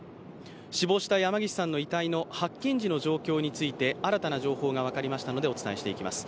死亡した山岸さんの遺体の発見時の状況について新たに情報が分かりましたので、お伝えしていきます。